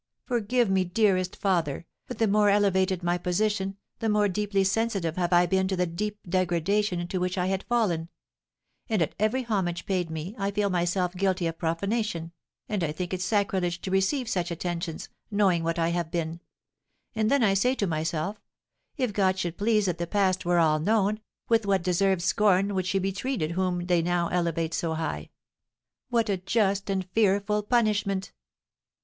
Forgive me, dearest father, but the more elevated my position, the more deeply sensitive have I been to the deep degradation into which I had fallen; and at every homage paid me I feel myself guilty of profanation, and think it sacrilege to receive such attentions, knowing what I have been; and then I say to myself, 'If God should please that the past were all known, with what deserved scorn would she be treated whom now they elevate so high! What a just and fearful punishment!'"